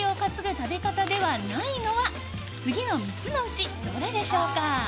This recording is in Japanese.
食べ方ではないのは次の３つのうちどれでしょうか？